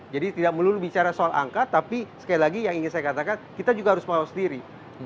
jadi tidak melulu bicara soal angka tapi sekali lagi yang ingin saya katakan kita juga harus mengawal sendiri